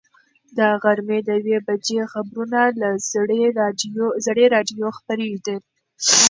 د غرمې د یوې بجې خبرونه له زړې راډیو خپرېدل.